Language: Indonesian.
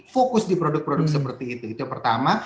fokus di produk produk seperti itu itu yang pertama